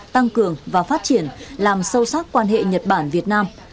tăng cường và phát triển làm sâu sắc quan hệ nhật bản việt nam